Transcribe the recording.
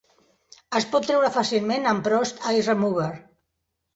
Es pot treure fàcilment amb Pros-Aide Remover.